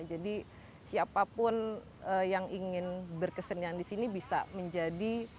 jadi siapapun yang ingin berkesenian di sini bisa menjadi